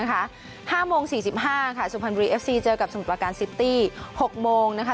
ทีมชาวไทยก็มีโปรแกรม